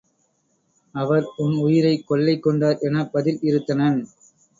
அவர் உன் உயிரைக் கொள்ளை கொண்டார் எனப் பதில் இறுத்தனன்.